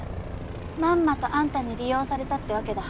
まんまとあんたに利用されたってわけだ。